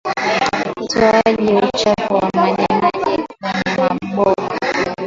Utoaji uchafu wa majimaji kwenye maboma